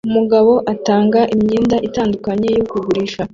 Umugabo atanga imyenda itandukanye yo kugurisha